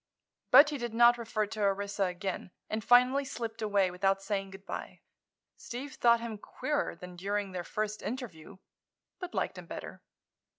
But he did not refer to Orissa again and finally slipped away without saying good bye. Steve thought him queerer than during their first interview, but liked him better.